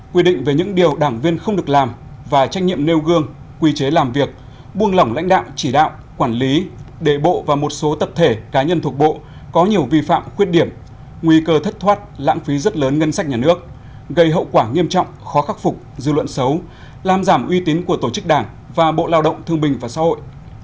quy định về những điều đảng viên không được làm và trách nhiệm nêu gương quy chế làm việc buông lỏng lãnh đạo chỉ đạo quản lý đệ bộ và một số tập thể cá nhân thuộc bộ có nhiều vi phạm khuyết điểm nguy cơ thất thoát lãng phí rất lớn ngân sách nhà nước gây hậu quả nghiêm trọng khó khắc phục dư luận xấu làm giảm uy tín của tổ chức đảng và bộ lao động thương minh và xã hội